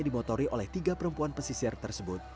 dimotori oleh tiga perempuan pesisir tersebut